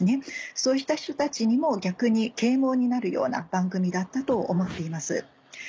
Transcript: そうした人たちにも逆に啓蒙になるような番組だったと思っています。